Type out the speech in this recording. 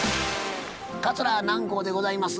桂南光でございます。